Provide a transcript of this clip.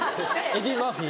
エディ・マーフィ。